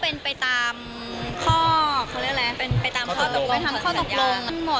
เป็นไปตามข้อตกลง